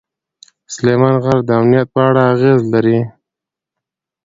سلیمان غر د امنیت په اړه اغېز لري.